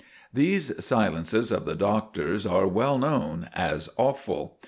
These silences of the Doctor's are well known as awful.